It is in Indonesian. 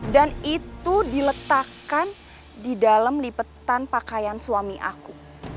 dan itu diletakkan di dalam lipetan pakaian suami aku